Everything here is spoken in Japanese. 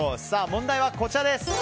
問題はこちらです。